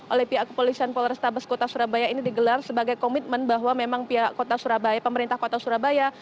oleh pihak kepolisian polrestabes kota surabaya ini digelar sebagai komitmen bahwa memang pihak kota surabaya pemerintah kota surabaya